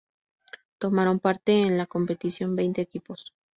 Tomaron parte en la competición veinte equipos.